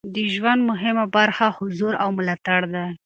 د ژوند مهمه برخه حضور او ملاتړ دی.